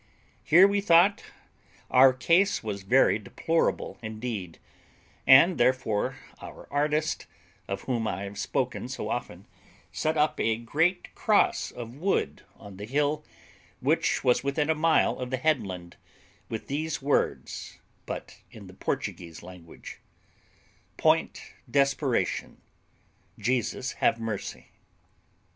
Here we thought our case was very deplorable indeed, and therefore our artist, of whom I have spoken so often, set up a great cross of wood on the hill which was within a mile of the headland, with these words, but in the Portuguese language: "Point Desperation. Jesus have mercy."